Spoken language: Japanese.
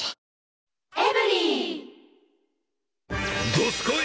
どすこい！